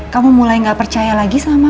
kamu mulai gak percaya lagi sama